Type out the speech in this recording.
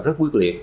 rất quyết liệt